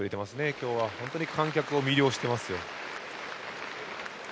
今日は観客を魅了していますよ。